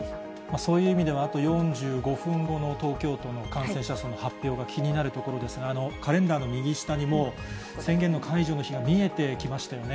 そういう意味では、あと４５分後の東京都の感染者数の発表が気になるところですが、カレンダーの右下にも、宣言の解除の日が見えてきましたよね。